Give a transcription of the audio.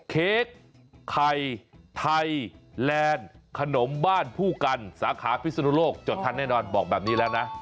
เค้กไข่ไทยแลนด์ขนมบ้านผู้กันสาขาพิศนุโลกจดทันแน่นอนบอกแบบนี้แล้วนะ